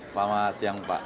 selamat siang pak